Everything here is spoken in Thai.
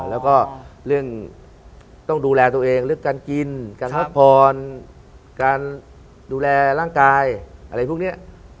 แล้วก็ต้องดูแลตัวเองการกินการทักพรการดูแลร่างกายอะไรพวกนี้